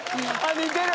似てる！